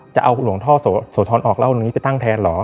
จะเอาหลวงพ่อโสธรออกเล่าตรงนี้ไปตั้งแทนเหรอ